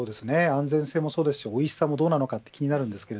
安全性もそうですしおいしさも気になります。